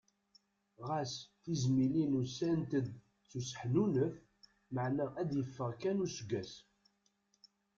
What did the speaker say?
Ɣas tizmilin ussant-d s useḥnunef maɛna ad yeffeɣ kan useggas.